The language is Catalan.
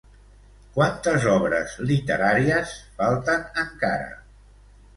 Quantes obres literàries falten encara?